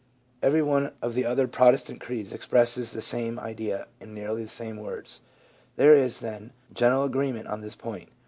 Every one of the other Protestant creeds expresses the 360 LBUBA : same idea in nearly the same words. There is, then, general agreement on this point.